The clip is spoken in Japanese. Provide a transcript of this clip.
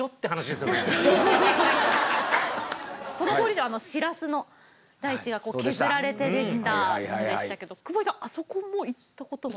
都於郡城シラスの台地が削られてできたものでしたけど久保井さんあそこも行ったことが。